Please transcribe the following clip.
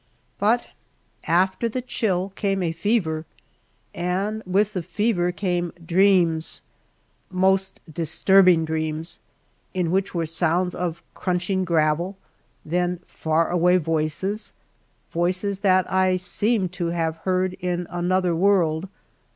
But after the chill came a fever, and with the fever came dreams, most disturbing dreams, in which were sounds of crunching gravel, then far away voices voices that I seemed to have heard in another world.